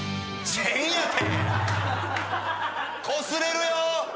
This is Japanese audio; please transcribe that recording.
こすれるよ。